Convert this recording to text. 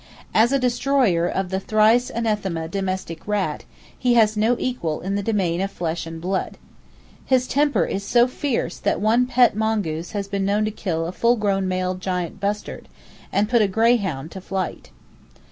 As a destroyer of the thrice anathema domestic rat, he has no equal in the domain of flesh and blood. His temper is so fierce that one "pet" mongoose has been known to kill a full grown male giant bustard, and put a greyhound to flight.